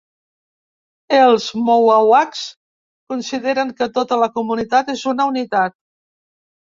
Els mohawks consideren que tota la comunitat és una unitat.